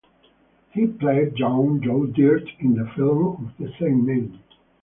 He played young Joe Dirt in the film of the same name.